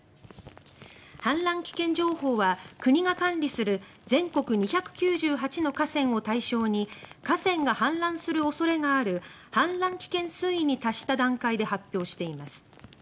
氾濫危険情報は国が管理する全国２９８の河川を対象に河川が氾濫する恐れがある氾濫危険水位に達した段階で発表しています。